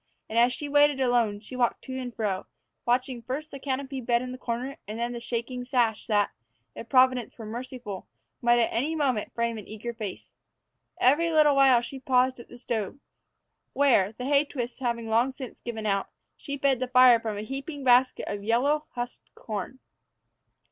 And, as she waited alone, she walked to and fro, watching first the canopied bed in the corner, and then the shaking sash that, if Providence were merciful, might at any moment frame an eager face. Every little while she paused at the stove, where, the hay twists having long since given out, she fed the fire from a heaping basket of yellow, husked corn.